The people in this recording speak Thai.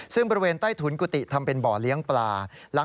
ซึ่งบริเวณใต้ถุนกุฏิทำเป็นบ่อเลี้ยงปลา